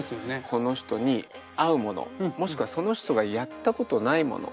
その人に合うものもしくはその人がやったことないもの。